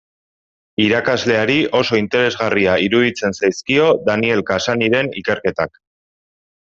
Irakasleari oso interesgarria iruditzen zaizkio Daniel Cassanyren ikerketak.